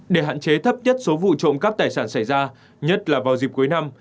để hạn chế thấp nhất số vụ trộm cắp tài sản xảy ra nhất là vào dịp cuối năm